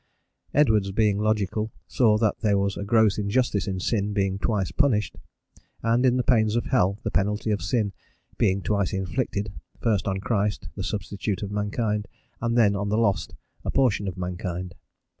Edwards, being logical, saw that there was a gross injustice in sin being twice punished, and in the pains of hell, the penalty of sin, being twice inflicted, first on Christ, the substitute of mankind, and then on the lost, a portion of mankind.